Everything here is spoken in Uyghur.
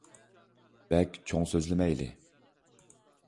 بەك چوڭ سۆزلىمەيلى ،